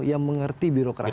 yang mengerti birokrasi